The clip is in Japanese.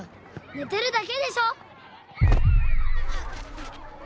寝てるだけでしょ！